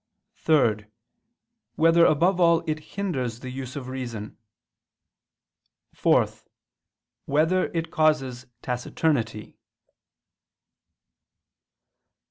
(3) Whether above all it hinders the use of reason? (4) Whether it causes taciturnity?